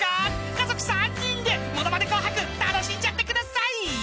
［家族３人で『ものまね紅白』楽しんじゃってください！］